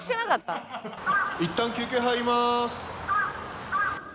いったん休憩入ります！